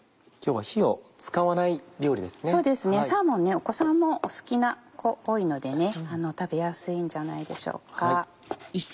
サーモンお子さんもお好きな子多いのでね食べやすいんじゃないでしょうか。